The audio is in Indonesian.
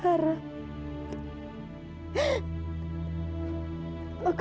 oka dapat mengerti